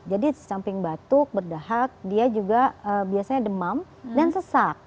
jadi di samping batuk berdahak dia juga biasanya demam dan sesak